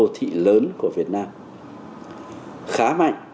các nhà ở xã hội lớn của việt nam khá mạnh